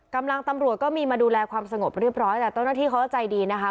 ตำรวจก็มีมาดูแลความสงบเรียบร้อยแต่เจ้าหน้าที่เขาก็ใจดีนะคะ